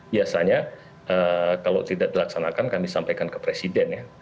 biasanya kalau tidak dilaksanakan kami sampaikan ke presiden ya